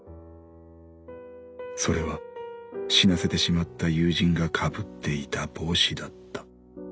それは死なせてしまった友人が被っていた帽子だった。